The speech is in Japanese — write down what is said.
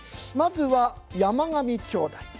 まずは山上兄弟。